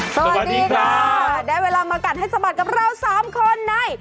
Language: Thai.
สวัสดีค่ะได้เวลามากัดให้สะบัดกับเราสามคนใน